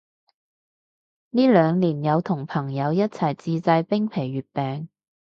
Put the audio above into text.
呢兩年有同朋友一齊自製冰皮月餅